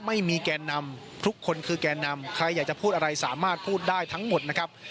แกนนำทุกคนคือแกนนำใครอยากจะพูดอะไรสามารถพูดได้ทั้งหมดนะครับ